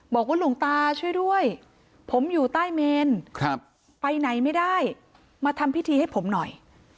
หลวงตาช่วยด้วยผมอยู่ใต้เมนไปไหนไม่ได้มาทำพิธีให้ผมหน่อย